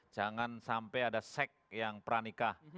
jangan sampai ada seks yang pranikah